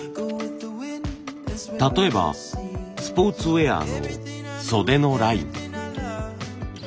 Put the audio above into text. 例えばスポーツウエアの袖のライン。